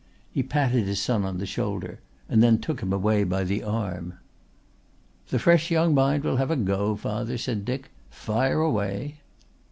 He patted his son on the shoulder and then took him by the arm. "The fresh young mind will have a go, father," said Dick. "Fire away."